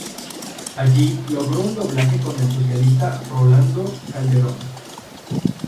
Allí logró un doblaje con el socialista Rolando Calderón.